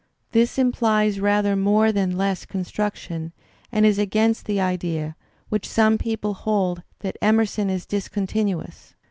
This implies rather more than less construction and is against the idea, which some people hold, that Emerson is discontinuous.